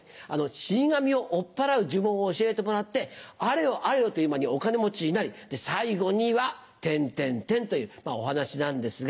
死神を追っ払う呪文を教えてもらってあれよあれよという間にお金持ちになり最後には・・・というお話なんですが。